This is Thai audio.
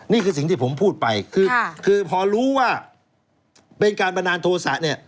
นี่คือสิ่งที่ผมพูดไปคือพอรู้ว่าเป็นการบันดาลโทษะเนี่ย